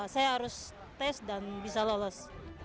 saya harus tes dan bisa lolos